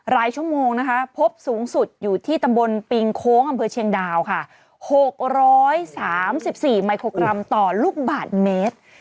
รายชั่วโมงนะคะพบสูงสุดอยู่ที่ตำบลปิงโค้งอำเภอเชียงดาวค่ะ๖๓๔มิโครกรัมต่อลูกบาทเมตร